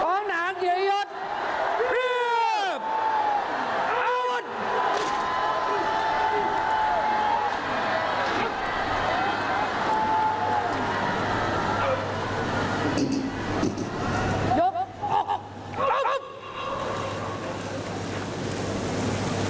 โอ้นางในยุทธ